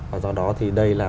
và do đó thì đây là